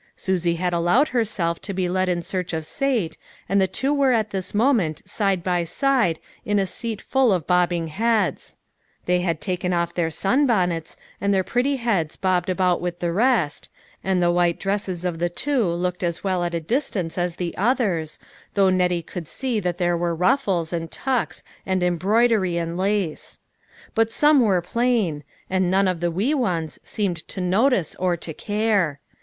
Susie had allowed herself to be led in search of Sate, and the two were at this moment side by side in a seat full of bobbing heads ; they had taken off their sunbonnets, and their pretty heads bobbed about with the rest, and the white dresses of the 148 LITTLE FISHERS : AND THEIR NETS. two looked as well at a distance as the others, though Nettie could see that there were ruffles, and tucks, and embroidery and lace. But some were plain ; and none of the wee ones seemed to notice or to care.